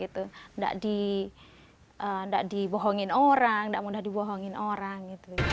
tidak dibohongin orang tidak mudah dibohongin orang